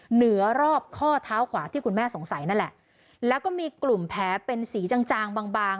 เหนือรอบข้อเท้าขวาที่คุณแม่สงสัยนั่นแหละแล้วก็มีกลุ่มแผลเป็นสีจางจางบางบาง